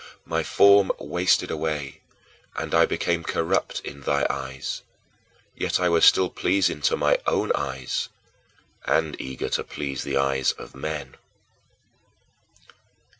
My form wasted away, and I became corrupt in thy eyes, yet I was still pleasing to my own eyes and eager to please the eyes of men.